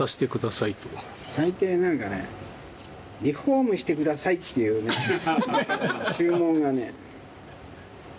大抵なんかね、リフォームしてくださいっていう注文がね。